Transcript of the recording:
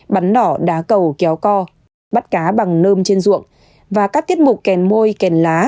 bắn nỏ đá cầu kéo co bắt cá bằng nơm trên ruộng và các tiết mục kèn môi kèn lá